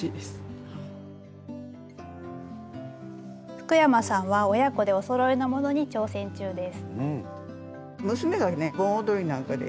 福山さんは親子でおそろいのものに挑戦中です。